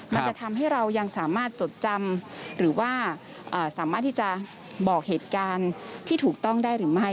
มันจะทำให้เรายังสามารถจดจำหรือว่าสามารถที่จะบอกเหตุการณ์ที่ถูกต้องได้หรือไม่